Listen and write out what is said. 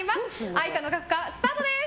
愛花のカフカ、スタートです。